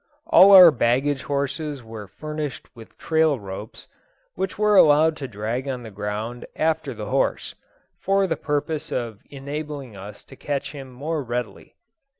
All our baggage horses were furnished with trail ropes, which were allowed to drag on the ground after the horse, for the purpose of enabling us to catch him more readily.